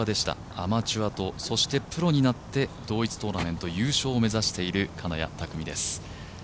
アマチュアとそしてプロになって同一トーナメント優勝を目指している金谷拓実です。